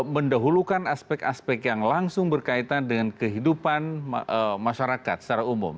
mendahulukan aspek aspek yang langsung berkaitan dengan kehidupan masyarakat secara umum